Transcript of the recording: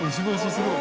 すごい！